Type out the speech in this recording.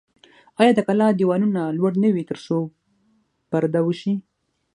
آیا د کلا دیوالونه لوړ نه وي ترڅو پرده وشي؟